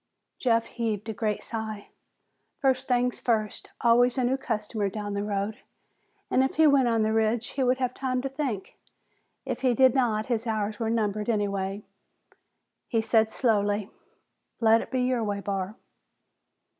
Jeff heaved a great sigh. First things first, always a new customer down the road, and if he went on the ridge, he would have time to think. If he did not, his hours were numbered anyway. He said slowly, "Let it be your way, Barr."